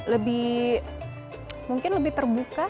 lebih mungkin lebih terbuka